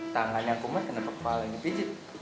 tangannya kumat kenapa kepala dipijit